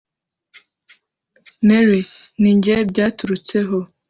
mary: ninjye byaturutseho